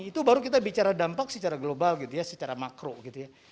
itu baru kita bicara dampak secara global gitu ya secara makro gitu ya